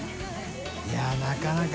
いなかなか。